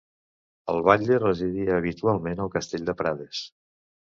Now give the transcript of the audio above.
El batlle residia habitualment al castell de Prades.